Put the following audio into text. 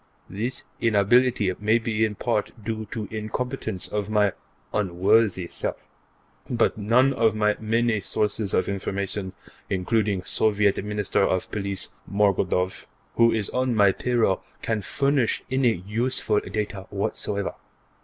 This inability may be in part due to incompetence of my unworthy self, but none of my many sources of information, including Soviet Minister of Police Morgodoff, who is on my payroll, can furnish any useful data whatever.